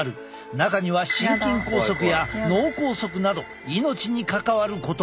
中には心筋梗塞や脳梗塞など命に関わることも。